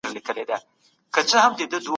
د نرمغالي دپاره تاسي باید خپلي پوهني ته پام وکړئ.